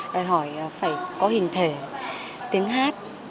đòi hỏi phải có hình thể tiếng hát